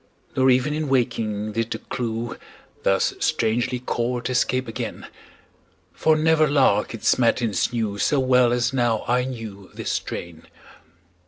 Nor even in waking did the clew, Thus strangely caught, escape again; For never lark its matins knew So well as now I knew this strain.